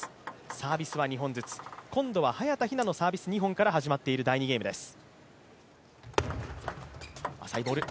サービスは２本ずつ、今度は早田ひなのサービス２本から始まっている第２ゲームです。